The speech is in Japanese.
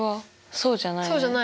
そうじゃないね。